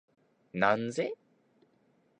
なんぜ？